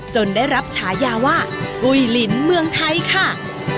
ได้รับฉายาว่ากุยลินเมืองไทยค่ะ